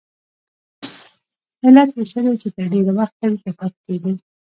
علت یې څه دی چې تر ډېره وخته ویښه پاتې کیږي؟